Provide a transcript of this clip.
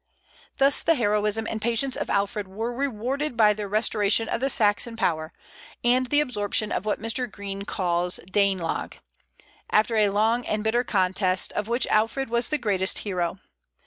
Thus the heroism and patience of Alfred were rewarded by the restoration of the Saxon power, and the absorption of what Mr. Green calls "Danelagh," after a long and bitter contest, of which Alfred was the greatest hero.